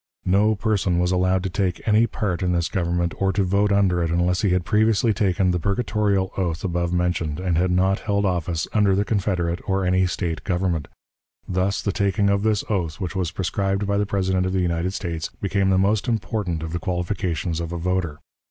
No person was allowed to take any part in this government or to vote under it unless he had previously taken the purgatorial oath above mentioned, and had not held office under the Confederate or any State government. Thus, the taking of this oath, which was prescribed by the President of the United States, became the most important of the qualifications of a voter.